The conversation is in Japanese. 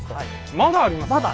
まだあります。